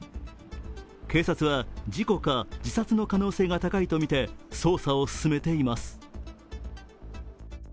警察は、事故か自殺の可能性が高いとみて捜査を進めています。